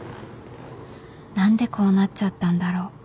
何でこうなっちゃったんだろう